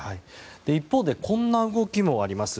一方でこんな動きもあります。